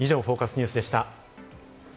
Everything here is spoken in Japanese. ニュースでした。